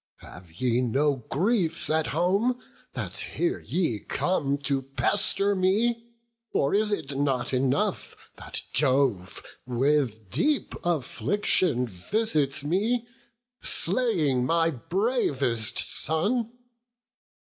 Have ye no griefs at home, that here ye come To pester me? or is it not enough That Jove with deep affliction visits me, Slaying my bravest son?